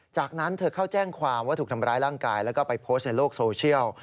จากนั้นเธอเข้าแจ้งความว่าถูกทำร้ายร่างกายแล้วก็ไปโพสต์ในโลกโซเชียล